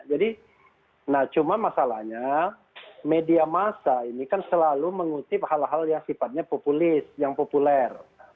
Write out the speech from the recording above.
jadi cuma masalahnya media masa ini kan selalu mengutip hal hal yang sifatnya populis yang populer